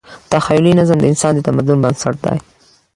تخیلي نظم د انسان د تمدن بنسټ دی.